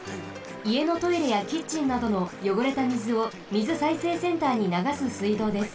いえのトイレやキッチンなどのよごれたみずをみずさいせいセンターにながすすいどうです。